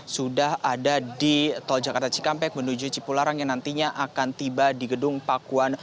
sudah ada di tol jakarta cikampek menuju cipularang yang nantinya akan tiba di gedung pakuan